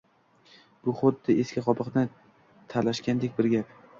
- Bu xuddi eski qobiqni tashlagandek bir gap.